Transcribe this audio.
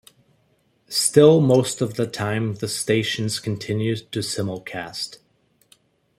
Still most of the time the stations continued to simulcast.